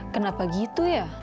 kenapa gitu ya